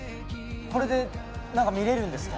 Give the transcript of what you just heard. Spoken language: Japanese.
これで何か見れるんですか？